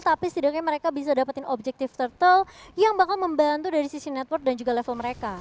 tapi setidaknya mereka bisa dapetin objektif turtle yang bakal membantu dari sisi network dan juga level mereka